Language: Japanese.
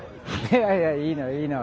いやいやいいのいいの。